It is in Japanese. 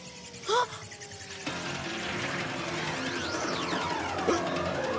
「えっ！？あっ！」